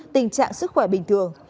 tình trạng sức khỏe bình thường